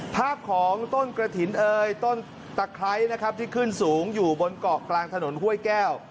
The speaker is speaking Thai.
ภาพของต้นกระถิ่นเอ่ยต้นตะไคร้นะครับที่ขึ้นสูงอยู่บนเกาะกลางถนนห้วยแก้ว